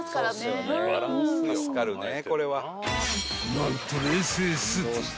［何と冷製スープ］